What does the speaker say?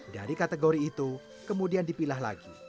dari kategori itu kemudian dipilah lagi